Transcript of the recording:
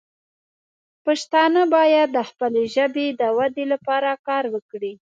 پښتانه باید د خپلې ژبې د ودې لپاره کار وکړي.